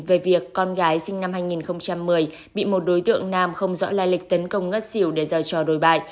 về việc con gái sinh năm hai nghìn một mươi bị một đối tượng nam không rõ lai lịch tấn công ngất xỉu để giao trò đổi bại